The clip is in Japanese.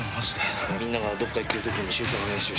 みんながどっか行ってるときにシュートの練習してさ。